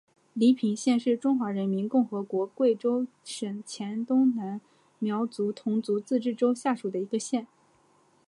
黎平县是中华人民共和国贵州省黔东南苗族侗族自治州下属的一个县。